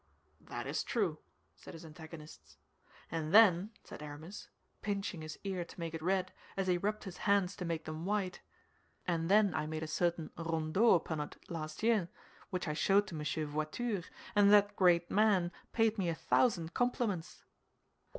'" "That is true," said his antagonists. "And then," said Aramis, pinching his ear to make it red, as he rubbed his hands to make them white, "and then I made a certain rondeau upon it last year, which I showed to Monsieur Voiture, and that great man paid me a thousand compliments."